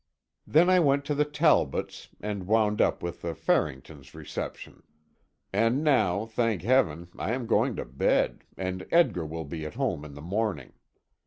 Then I went to the Talbots', and wound up with the Farringtons' reception. And now, thank heaven, I am going to bed, and Edgar will be at home in the morning.